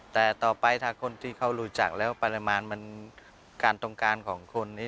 แต่ต่อไปถ้าคนที่เขารู้จักแล้วปริมาณมันการตรงการของคนนี้